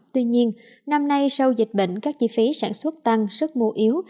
tuy nhiên năm nay sau dịch bệnh các chi phí sản xuất tăng sức mua yếu